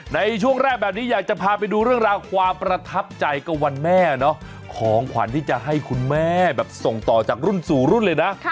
ในช่วงแรกแบบนี้อยากจะพาไปดูเรื่องราวความประทับใจกับวันแม่เนาะของขวัญที่จะให้คุณแม่แบบส่งต่อจากรุ่นสู่รุ่นเลยนะ